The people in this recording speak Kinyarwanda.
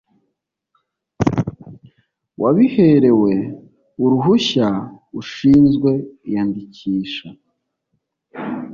wabiherewe uruhushya ushinzwe iyandikisha